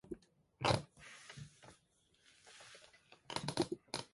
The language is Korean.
하고는 손등으로 눈물을 부비고 난 영신의 얼굴을 무한히 가엾은 듯이 들여다본다.